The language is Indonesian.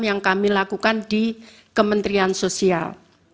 yang kami lakukan di kementerian sosial